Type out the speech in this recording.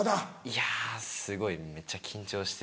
いやすごいめっちゃ緊張してるし。